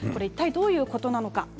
いったいどういうことなのか